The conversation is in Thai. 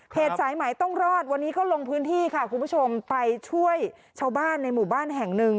สายใหม่ต้องรอดวันนี้ก็ลงพื้นที่ค่ะคุณผู้ชมไปช่วยชาวบ้านในหมู่บ้านแห่งหนึ่ง